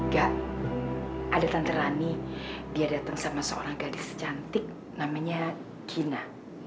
gak ada tante rani dia datang sama seorang gadis cantik namanya gina